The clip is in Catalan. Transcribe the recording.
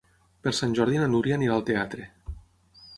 Per Sant Jordi na Núria anirà al teatre.